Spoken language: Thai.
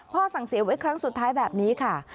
สั่งเสียไว้ครั้งสุดท้ายแบบนี้ค่ะ